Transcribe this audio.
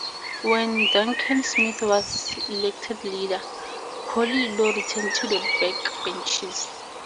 When Duncan Smith was elected leader, Portillo returned to the backbenches.